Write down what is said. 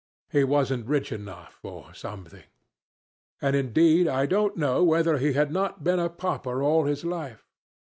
He wasn't rich enough or something. And indeed I don't know whether he had not been a pauper all his life.